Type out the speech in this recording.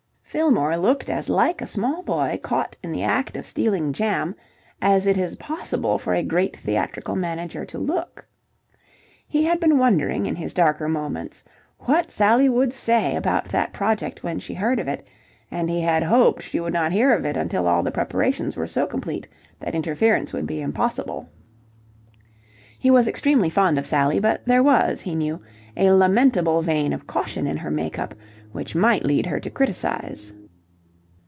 Fillmore looked as like a small boy caught in the act of stealing jam as it is possible for a great theatrical manager to look. He had been wondering in his darker moments what Sally would say about that project when she heard of it, and he had hoped that she would not hear of it until all the preparations were so complete that interference would be impossible. He was extremely fond of Sally, but there was, he knew, a lamentable vein of caution in her make up which might lead her to criticize.